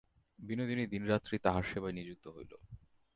বিনোদিনী দিনরাত্রি তাঁহার সেবায় নিযুক্ত হইল।